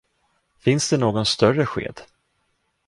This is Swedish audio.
Finns det någon större sked?